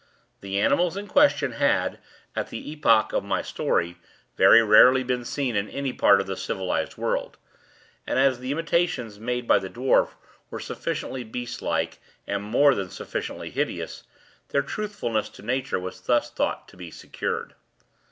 The animals in question had, at the epoch of my story, very rarely been seen in any part of the civilized world; and as the imitations made by the dwarf were sufficiently beast like and more than sufficiently hideous, their truthfulness to nature was thus thought to be secured.